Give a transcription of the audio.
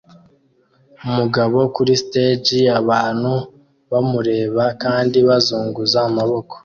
Umugabo kuri stage abantu bamureba kandi bazunguza amaboko